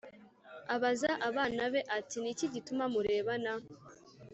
abaza abana be ati Ni iki gituma murebana